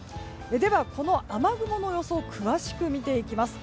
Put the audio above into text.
この雨雲の予想を詳しく見ていきます。